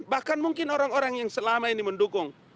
bahkan mungkin orang orang yang selama ini mendukung